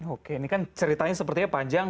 oke ini kan ceritanya sepertinya panjang